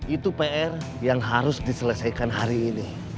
itu pr yang harus diselesaikan hari ini